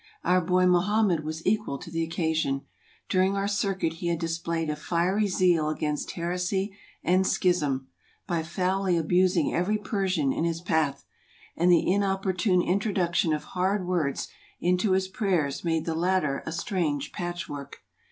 Our boy Mohammed was equal to the occa sion. During our circuit he had displayed a fiery zeal against heresy and schism, by foully abusing every Persian in his path ; and the inopportune introduction of hard words into his prayers made the latter a strange patchwork.